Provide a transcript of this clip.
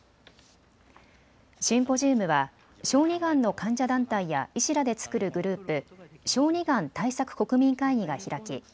シンポジウムは小児がんの患者団体や医師らで作るグループ、小児がん対策国民会議が開き